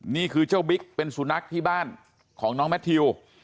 นี่คือเจ้าบิ๊กเป็นสุนัขที่บ้านของน้องแมททิว